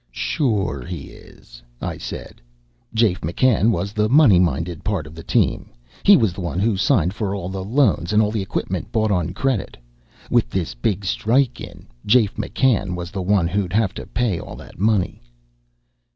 "Sure he is," I said. "Jafe McCann was the money minded part of the team. He was the one who signed for all the loans and all the equipment bought on credit. With this big strike in, Jafe McCann was the one who'd have to pay all that money."